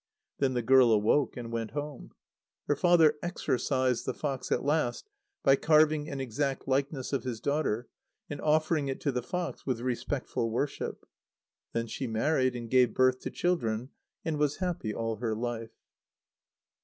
Then the girl awoke and went home. Her father exorcised the fox at last by carving an exact likeness of his daughter, and offering it to the fox with respectful worship. Then she married, and gave birth to children, and was happy all her life.